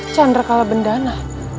chandra kalah bendana